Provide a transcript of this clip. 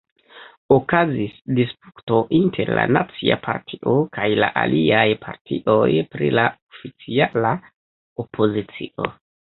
Okazis disputo inter la Nacia Partio kaj la aliaj partioj pri la oficiala opozicio.